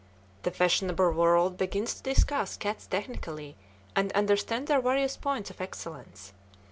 The fashionable world begins to discuss cats technically and understand their various points of excellence.